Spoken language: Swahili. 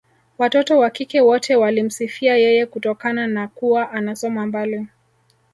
Watoto wa kike wote walimsifia yeye kutokana na kuwa anasoma mbali